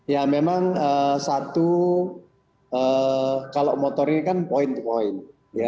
ya memang satu kalau motor ini kan point to point